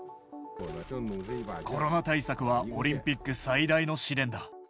コロナ対策はオリンピック最大の試練だ。